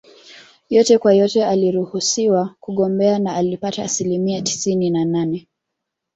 Yote kwa yote aliruhusiwa kugombea na alipata asilimia tisini na nane